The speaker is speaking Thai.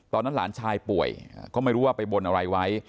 หลานชายป่วยก็ไม่รู้ว่าไปบนอะไรไว้